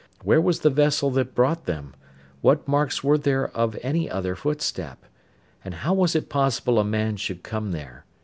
Where was the vessel that brought them? What marks were there of any other footstep? And how was it possible a man should come there?